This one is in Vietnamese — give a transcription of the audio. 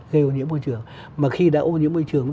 gây ô nhiễm môi trường mà khi đã ô nhiễm môi trường